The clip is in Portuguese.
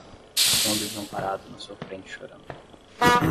Tão desamparado na sua frente chorando